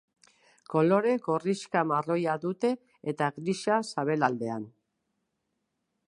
Kolore gorrixka-marroia dute eta grisa sabelaldean.